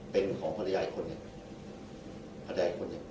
เป็นของภรรยายคนนึง